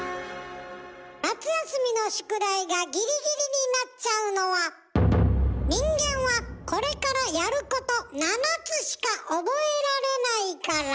夏休みの宿題がギリギリになっちゃうのは人間はこれからやること７つしか覚えられないから。